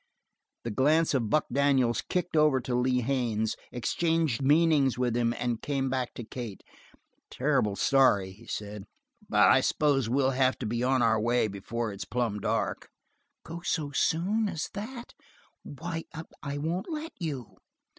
The glance of Buck Daniels kicked over to Lee Haines, exchanged meanings with him, and came back to Kate. "Terrible sorry," he said, "but I s'pose we'll have to be on our way before it's plumb dark." "Go so soon as that? Why, I won't let you."